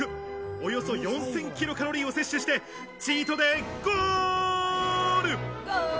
およそ４０００キロカロリーを摂取してチートデイ、ゴール！